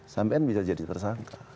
sampai kan bisa jadi tersangka